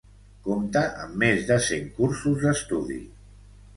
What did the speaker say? Compta amb més de cent cursos d'estudi.